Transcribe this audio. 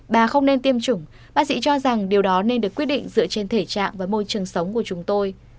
bà không nên tiêm chủng bác sĩ cho rằng điều đó nên được quyết định dựa trên thể trạng và môi trường sống của chúng tôi